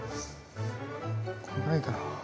こんぐらいかな。